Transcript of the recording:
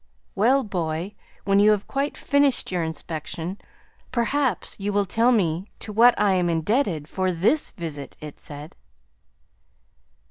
"Well, boy, when you have quite finished your inspection, perhaps you will tell me to what I am indebted for THIS visit," it said.